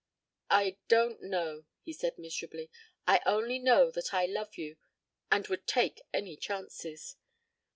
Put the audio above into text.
"I don't know," he said miserably. "I only know that I love you and would take any chances."